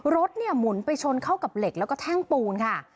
รถเนี่ยหมุนไปชนเข้ากับเหล็กแล้วก็แท่งปูนค่ะ